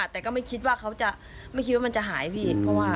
แต่ก็ไม่คิดว่าเขาจะไม่คิดว่ามันจะหายพี่